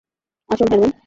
আসুন, হারম্যান।